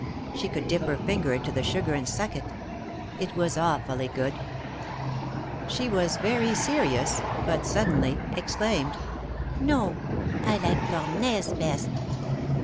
She could dip her finger into the sugar and suck it. It was awfully good. She was very serious, but suddenly exclaimed :" No ; I like cornets best."